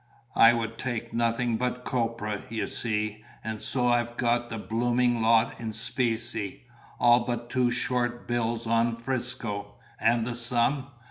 I would take nothing but copra, you see; and so I've got the blooming lot in specie all but two short bills on 'Frisco. And the sum?